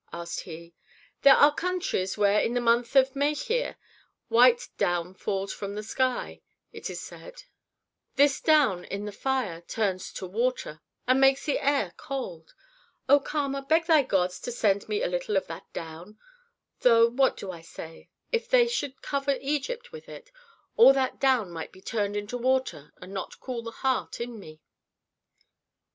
asked he. "There are countries where in the month of Mechir white down falls from the sky, it is said; this down in the fire turns to water, and makes the air cold. Oh, Kama, beg thy gods to send me a little of that down, though what do I say? If they should cover Egypt with it, all that down might be turned into water and not cool the heart in me."